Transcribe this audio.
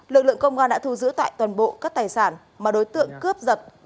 lực lượng công an đã thu giữ tại toàn bộ các tài sản mà đối tượng cướp giật